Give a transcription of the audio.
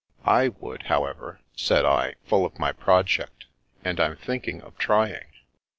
"/ would, however," said I, full of my project, " and I'm thinking of trying."